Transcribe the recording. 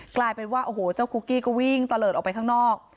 กลายเป็นว่าโอ้โหเจ้าคุกกี้ก็วิ่งตะเลิศออกไปข้างนอก